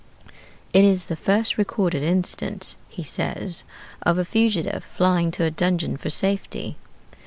It is the first recorded instance, he says, of a fugitive flying to a dungeon for safety.